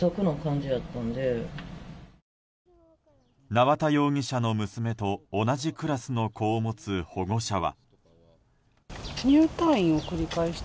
縄田容疑者の娘と同じクラスの子を持つ保護者は。